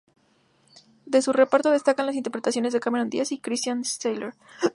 De su reparto destacan las interpretaciones de Cameron Diaz, y Christian Slater.